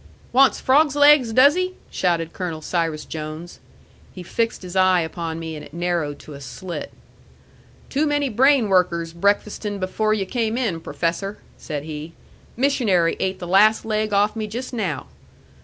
"Wants frogs' legs, does he?" shouted Colonel Cyrus Jones. He fixed his eye upon me, and it narrowed to a slit. "Too many brain workers breakfasting before yu' came in, professor," said he. "Missionary ate the last leg off me just now.